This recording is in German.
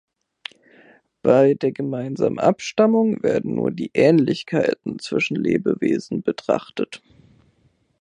Bei der gemeinsamen Abstammung werden nur die „Ähnlichkeiten“ zwischen Lebewesen betrachtet.